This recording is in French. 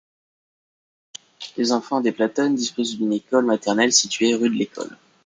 Les enfants des Platanes disposent d'une école maternelle, située rue de l'École.